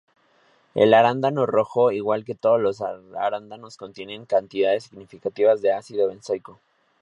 El arándano rojo igual que todos los arándanos contiene cantidades significativas de ácido benzoico.